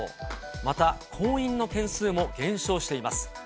また、婚姻の件数も減少しています。